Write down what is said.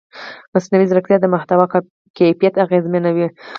مصنوعي ځیرکتیا د محتوا کیفیت اغېزمنوي.